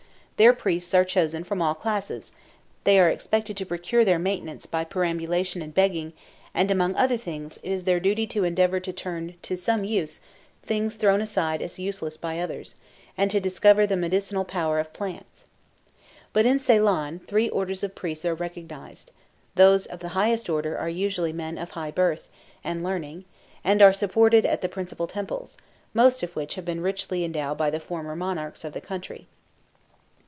Their priests are chosen from all classes; they are expected to procure their maintenance by perambulation and begging, and among other things it is their duty to endeavor to turn to some use things thrown aside as useless by others, and to discover the medicinal power of plants. But in Ceylon three orders of priests are recognized; those of the highest order are usually men of high birth and learning, and are supported at the principal temples, most of which have been richly endowed by the former monarchs of the country.